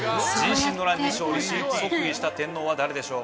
壬申の乱に勝利し、即位した天皇は誰でしょう？